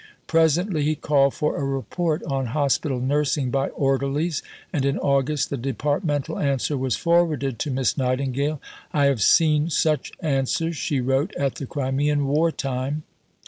Presently he called for a report on hospital nursing by orderlies, and in August the Departmental answer was forwarded to Miss Nightingale. "I have seen such answers," she wrote, "at the Crimean war time.